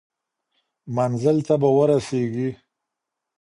منزل ته به ورسیږئ.